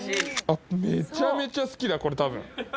あっめちゃめちゃ好きだこれ多分。